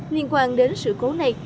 liên quan đến sự cố này